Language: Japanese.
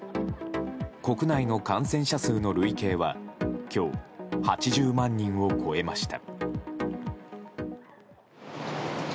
国内の感染者数の累計は今日、８０万人を超えました。